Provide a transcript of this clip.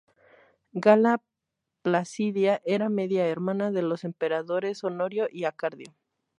Gala Placidia era media hermana de los emperadores Honorio y Arcadio.